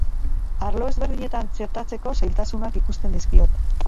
Arlo ezberdinetan txertatzeko zailtasunak ikusten dizkiot.